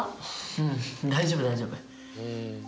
うん大丈夫大丈夫。